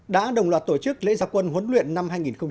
đã đồng loạt tổ chức lễ gia quân huấn luyện năm hai nghìn một mươi bảy